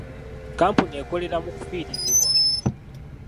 Kkampuni ekolera mu kufiirizibwa.